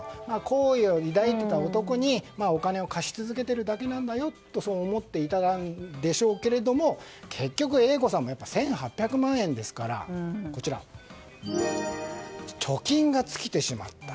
好意を抱いていた男にお金を貸し続けているだけなんだよと思っていたんでしょうけれども結局、Ａ子さんも１８００万円ですから貯金が尽きてしまった。